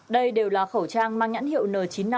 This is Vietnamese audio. đây đều là khẩu trang mang nhãn hiệu n chín mươi năm